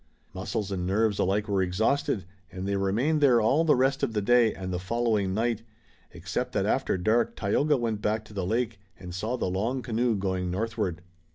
Muscles and nerves alike were exhausted, and they remained there all the rest of the day and the following night, except that after dark Tayoga went back to the lake and saw the long canoe going northward.